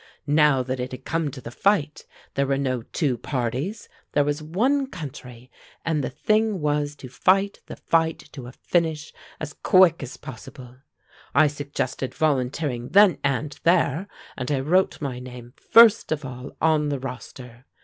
Now that it had come to the fight, there were no two parties; there was one country, and the thing was to fight the fight to a finish as quick as possible. I suggested volunteering then and there, and I wrote my name first of all on the roster.